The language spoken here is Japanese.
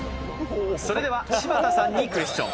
それでは柴田さんにクエスチョン。